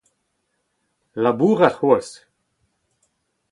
labourat c'hoazh